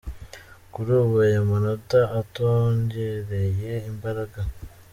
Kuri ubu aya manota atwongereye imbaraga.